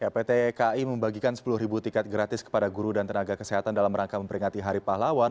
pt kai membagikan sepuluh ribu tiket gratis kepada guru dan tenaga kesehatan dalam rangka memperingati hari pahlawan